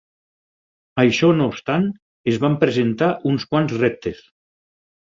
Això no obstant, es van presentar uns quants reptes.